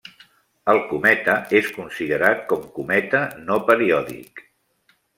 El cometa és considerat com cometa no periòdic.